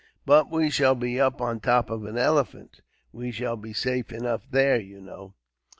"But we shall be up on the top of an elephant. We shall be safe enough there, you know."